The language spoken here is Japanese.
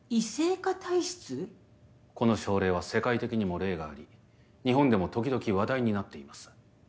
この症例は世界的にも例があり日本でも時々話題になっています